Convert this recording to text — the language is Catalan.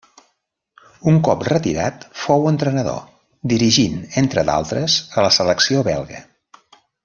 Un cop retirat fou entrenador, dirigint, entre d'altres a la selecció belga.